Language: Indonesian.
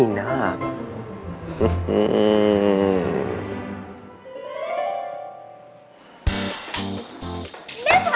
ya aku mau ke rumah gua